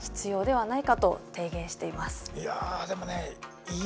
はい。